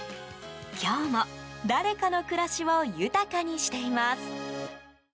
今日も、誰かの暮らしを豊かにしています。